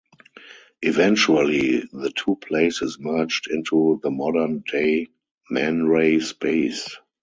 Eventually the two places merged into the modern day Manray space.